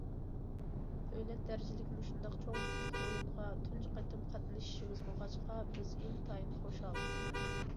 دۆلەت دەرىجىلىك مۇشۇنداق چوڭ تىپتىكى ئويۇنغا تۇنجى قېتىم قاتنىشىشىمىز بولغاچقا، بىز ئىنتايىن خۇشال.